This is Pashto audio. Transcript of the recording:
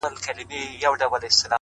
• د حرم د ښایستو پر زړه پرهار وو,